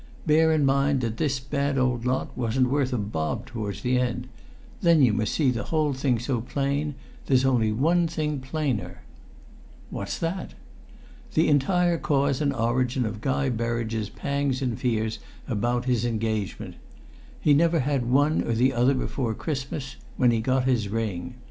Bear in mind that this bad old lot wasn't worth a bob towards the end; then you must see the whole thing's so plain, there's only one thing plainer." "What's that?" "The entire cause and origin of Guy Berridge's pangs and fears about his engagement. He never had one or the other before Christmas when he got his ring.